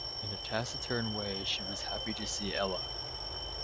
In a taciturn way she was happy to see Ella.